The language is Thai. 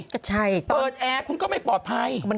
ก็ใช่เปิดแอร์คุณก็ไม่ปลอดภัย